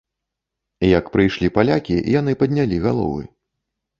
Як прыйшлі палякі, яны паднялі галовы.